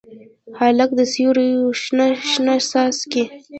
هلک د سیورو شنه، شنه څاڅکي